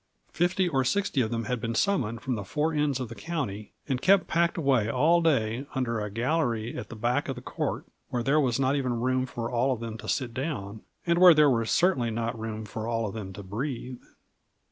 Fifty or sixty of them had been summoned from the four ends of the county, and kept packed away all day under a gallery at the back of the court, where there was not even room for all of them to sit down, and where there was certainly not room for all of them to breathe.